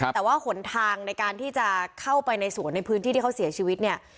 แต่ว่าหนทางในการที่จะเข้าไปในสวนในพื้นที่ที่เขาเสียชีวิตเนี่ย